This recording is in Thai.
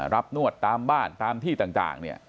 รับนวดตามบ้านตามที่ต่างเนี่ย